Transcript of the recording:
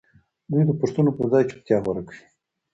دوی د پوښتنو پر ځای چوپتيا غوره کوي.